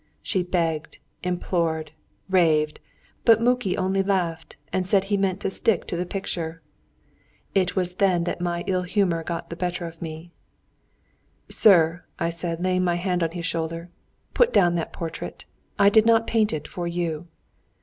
She begged, implored, raved, but Muki only laughed and said he meant to stick to the picture. It was then that my ill humour got the better of me. "Sir," said I, laying my hand on his shoulder, "put down that portrait! I did not paint it for you."